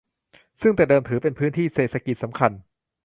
ซึ่งแต่เดิมถือเป็นพื้นที่เศรษฐกิจสำคัญ